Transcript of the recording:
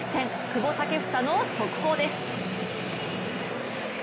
久保建英の速報です。